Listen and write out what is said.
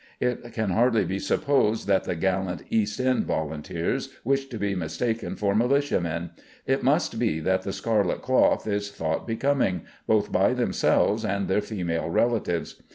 It can hardly be supposed that the gallant East end volunteers wish to be mistaken for militiamen; it must be that the scarlet cloth is thought becoming, both by themselves and their female relatives.